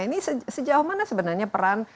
ini sejauh mana sebenarnya peran